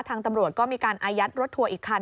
ทางตำรวจก็มีการอายัดรถทัวร์อีกคัน